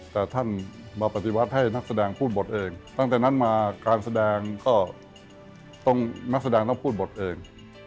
แต่ท่านมาปฏิวัติให้นักแสดงพูดบทเองตั้งแต่นั้นมาการแสดงก็ต้องนักแสดงต้องพูดบทเอง